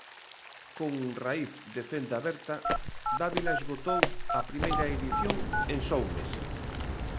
Con Raíz de Fenda Berta Dávila esgotou a primeira edición en só un mes.